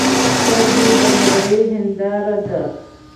سترګې د نړۍ هنداره ده